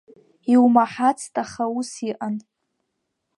Иумаҳацт, аха ус иҟан.